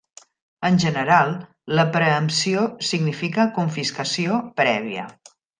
En general, la preempció significa "confiscació prèvia".